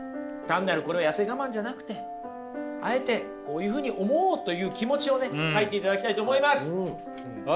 単なるこれは痩せ我慢じゃなくてあえてこういうふうに思おうという気持ちをね書いていただきたいと思います！